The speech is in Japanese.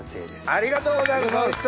ありがとうございます。